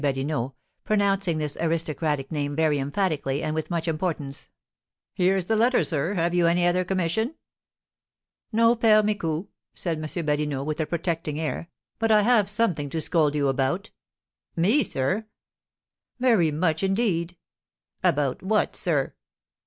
Badinot, pronouncing this aristocratic name very emphatically, and with much importance. "Here's the letter, sir; have you any other commission?" "No, Père Micou," said M. Badinot, with a protecting air, "but I have something to scold you about." "Me, sir?" "Very much, indeed." "About what, sir?"